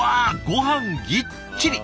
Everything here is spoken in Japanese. ごはんぎっちり！